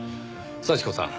幸子さん